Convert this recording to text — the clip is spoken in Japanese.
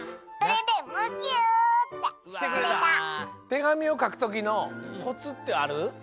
てがみをかくときのコツってある？